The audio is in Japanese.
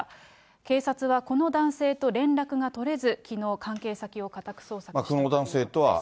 警察はこの男性と連絡が取れず、きのう、関係先を家宅捜索したということです。